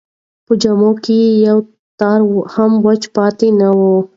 په جامو کې یې یو تار هم وچ پاتې نه و.